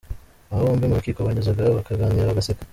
Aba bombi mu rukiko banyuzaga bakaganira bagaseka.